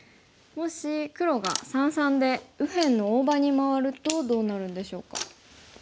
もし黒が三々で右辺の大場に回るとどうなるんでしょうか。